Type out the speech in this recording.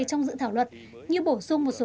trong dự thảo luật như bổ sung một số